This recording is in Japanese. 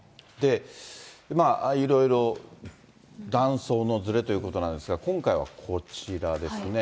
いろいろ断層のずれということなんですが、今回はこちらですね。